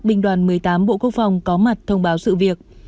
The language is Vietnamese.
binh đoàn một mươi tám bộ quốc phòng có mặt thông báo sự việc